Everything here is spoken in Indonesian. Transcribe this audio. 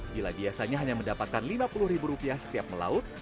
bila biasanya hanya mendapatkan lima puluh ribu rupiah setiap melaut